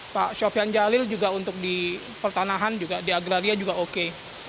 pak sofian jalil juga untuk di pertanahan juga di agraria juga oke